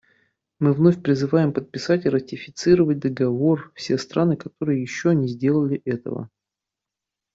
Мы вновь призываем подписать и ратифицировать Договор все страны, которые еще не сделали этого.